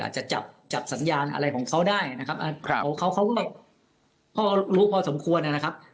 จับจับสัญญาณอะไรของเขาได้นะครับของเขาเขาก็รู้พอสมควรนะครับ